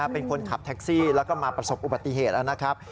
เป็นคนขับแท็กซี่แล้วก็มาประสบอุบัติเหตุแล้วนะครับ